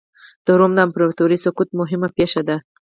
د روم د امپراتورۍ سقوط مهمه پېښه ده.